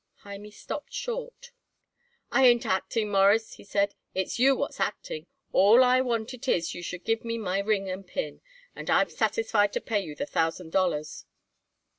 Hymie stopped short. "I ain't acting, Mawruss," he said. "It's you what's acting. All I want it is you should give me my ring and pin, and I am satisfied to pay you the thousand dollars."